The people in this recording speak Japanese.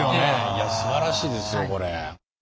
いやすばらしいですよこれ。